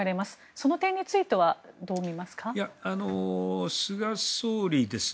その点についてはどう見ますか。